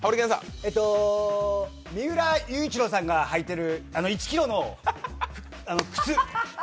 三浦雄一郎さんが履いてる１ｋｇの靴。